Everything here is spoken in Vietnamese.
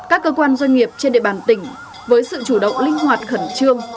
các cơ quan doanh nghiệp trên địa bàn tỉnh với sự chủ động linh hoạt khẩn trương